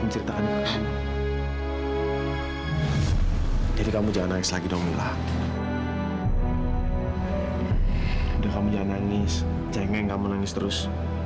menceritakan jadi kamu jangan lagi dong mila kamu jangan nangis jangan nangis terus